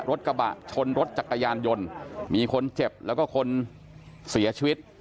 รถกระบะชนรถจักรยานยนต์มีคนเจ็บแล้วก็คนเสียชีวิต